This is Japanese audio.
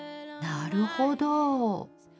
なるほど。